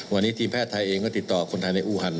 วันนี้ทีมแพทย์ไทยเองก็ติดต่อคนไทยในอูหัน